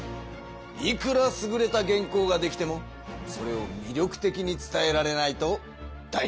いくらすぐれた原稿ができてもそれをみりょくてきに伝えられないとだいなしだぞ。